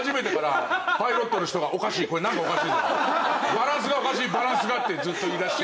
「バランスがおかしいバランスが」ってずっと言いだして。